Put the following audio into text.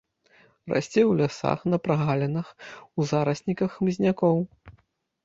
Расце ў лясах, на прагалінах, у зарасніках хмызнякоў.